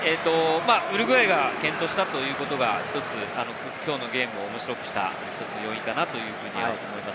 ウルグアイが健闘したということが１つ、きょうのゲームを面白くした要因かなと思います。